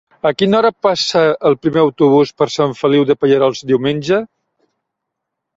A quina hora passa el primer autobús per Sant Feliu de Pallerols diumenge?